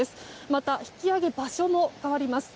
また、引き揚げ場所も変わります。